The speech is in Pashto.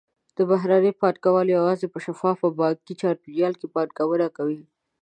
بهرني پانګهوال یوازې په شفاف بانکي چاپېریال کې پانګونه کوي.